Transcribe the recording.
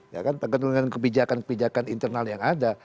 ya kan tergantung dengan kebijakan kebijakan internal yang ada